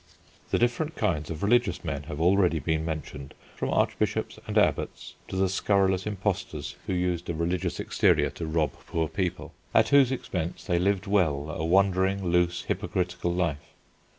] The different kinds of religious men have already been mentioned from archbishops and abbots to the scurrilous impostors who used a religious exterior to rob poor people, at whose expense they lived well a wandering, loose, hypocritical life.